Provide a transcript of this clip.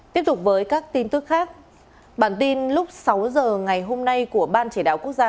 tiếp tục với các tin tức khác bản tin lúc sáu h ngày hôm nay của ban chỉ đạo quốc gia